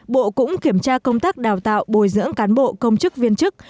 bộ cũng kiểm tra công tác đào tạo bồi dưỡng cán bộ công chức viên chức